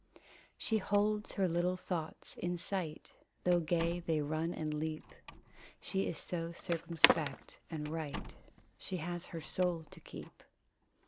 She holds her little thoughts in sight, Though gay they run and leap. She is so circumspect and right; She has her soul to keep.